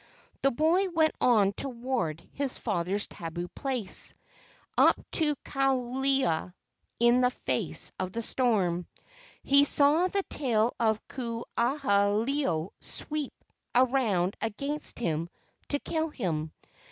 The boy went on toward his father's tabu place, up to Kalewa, in the face of the storm. He saw the tail of Ku aha ilo sweep around against him to kill him.